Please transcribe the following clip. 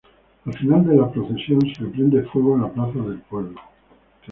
Al final de la procesión, se le prende fuego en la plaza del pueblo.